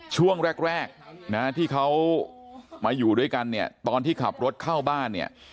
ช่วงแรกแรกนะที่เขามาอยู่ด้วยกันเนี่ยตอนที่ขับรถเข้าบ้านเนี่ย